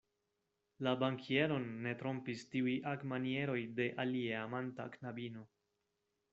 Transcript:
La bankieron ne trompis tiuj agmanieroj de alieamanta knabino.